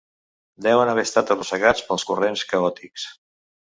Deuen haver estat arrossegats pels corrents caòtics.